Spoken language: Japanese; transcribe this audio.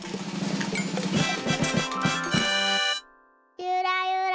ゆらゆら。